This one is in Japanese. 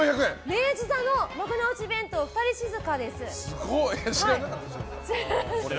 明治座の幕の内弁当二人静です。